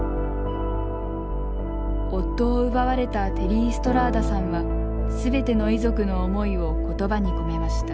夫を奪われたテリー・ストラーダさんは全ての遺族の思いを言葉に込めました。